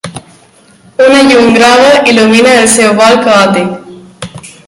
Una llum groga il·lumina el seu vol caòtic.